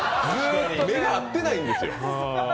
目が合ってないんですよ。